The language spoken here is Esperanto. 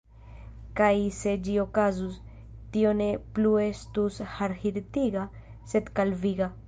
Kaj se ĝi okazus, tio ne plu estus harhirtiga, sed kalviga.